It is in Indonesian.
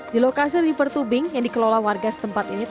di lokasi river tubing yang dikelola warga setempat ini